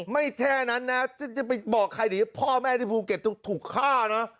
ไม่แท้นั้นจะไปบอกใครดิพ่อแม่ไอ้ภูเก็ตถูกฆ่านะ